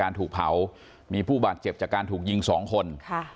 การถูกเผาไปเอาไว้มีผู้บาดเจ็บจากการถูกยิง๒คน